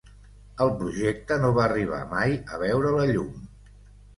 El projecte no va arribar mai a veure la llum.